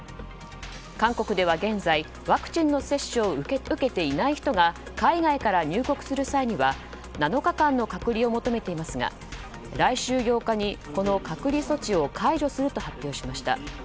韓国では現在ワクチンの接種を受けていない人が海外から入国する際には７日間の隔離を求めていますが来週８日にこの隔離措置を解除すると発表しました。